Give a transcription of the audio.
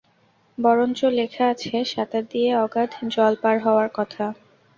বরঞ্চ লেখা আছে সাঁতার দিয়ে অগাধ জল পার হওয়ার কথা।